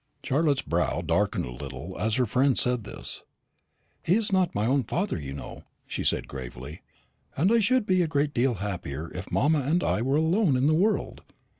Charlotte's brow darkened a little as her friend said this. "He is not my own father, you know," she said gravely, "and I should be a great deal happier if mamma and I were alone in the world.